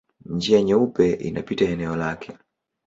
Njia Nyeupe inapita eneo lake.